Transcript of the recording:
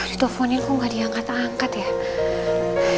diteleponin kok gak diangkat angkat ya